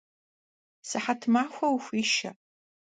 Сыхьэт махуэ ухуишэ!